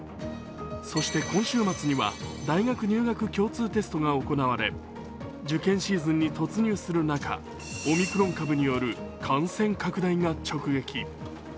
そして今週末には大学入学共通テストが行われ受験シーズンに突入する中、オミクロン株による感染拡大が直撃。